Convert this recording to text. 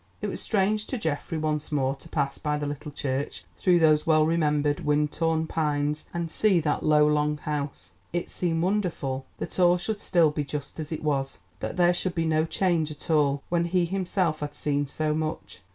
It was strange to Geoffrey once more to pass by the little church through those well remembered, wind torn pines and see that low long house. It seemed wonderful that all should still be just as it was, that there should be no change at all, when he himself had seen so much.